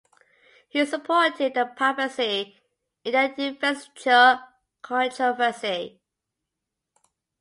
He supported the papacy in the Investiture Controversy.